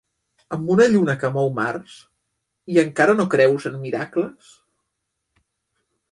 Amb una lluna que mou mars, i encara no creus en miracles?